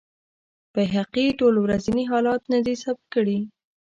بیهقي ټول ورځني حالات نه دي ثبت کړي.